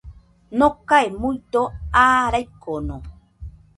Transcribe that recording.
Nokae muido aa raikono.